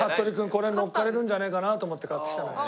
これに乗っかれるんじゃねえかなと思って買ってきたのよ。